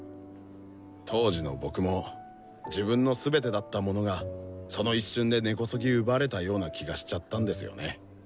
当時の僕も自分のすべてだったものがその一瞬で根こそぎ奪われたような気がしちゃったんですよね。